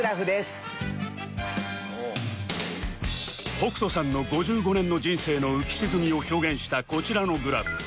北斗さんの５５年の人生の浮き沈みを表現したこちらのグラフ